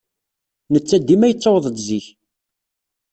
Netta dima yettaweḍ-d zik.